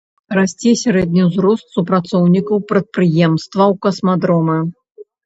Расце сярэдні ўзрост супрацоўнікаў прадпрыемстваў касмадрома.